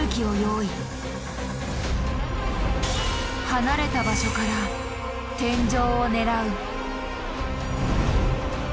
離れた場所から天井を狙う。